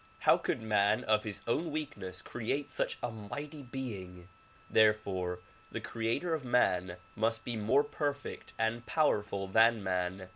How could man of his own weakness create such a mighty being ? Therefore the creator of man must be more perfect and powerful than man.